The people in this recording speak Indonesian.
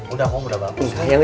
udah kok udah bagus